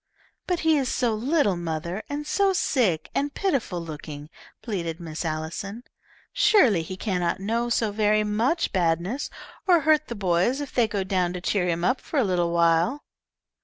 "But he is so little, mother, and so sick and pitiful looking," pleaded Miss Allison. "Surely he cannot know so very much badness or hurt the boys if they go down to cheer him up for a little while."